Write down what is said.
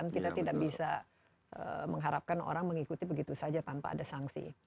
kita tidak bisa mengharapkan orang mengikuti begitu saja tanpa ada sanksi